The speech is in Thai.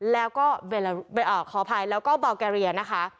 แล้วก็ขออภัยแล้วก็เบาแกเรียนะคะ